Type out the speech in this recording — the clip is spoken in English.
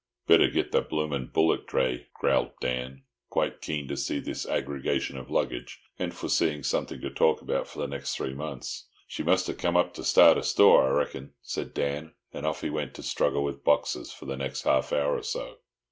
"Better git the bloomin' bullock dray," growled Dan, quite keen to see this aggregation of luggage; and foreseeing something to talk about for the next three months. "She must ha' come up to start a store, I reckon," said Dan; and off he went to struggle with boxes for the next half hour or so.